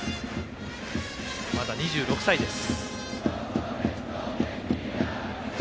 まだ２６歳です。